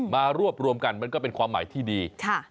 มารวบรวมกันมันก็เป็นความหมายที่ดี